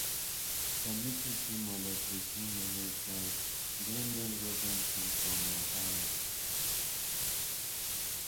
Committed to military families like Danielle Robinson from Ohio.